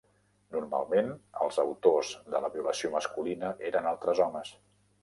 Normalment, els autors de la violació masculina eren altres homes.